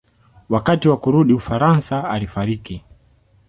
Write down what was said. Wakati wa kurudi Ufaransa alifariki.